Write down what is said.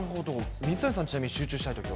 水谷さん、ちなみに集中したいときは？